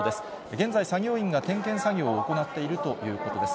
現在、作業員が点検作業を行っているということです。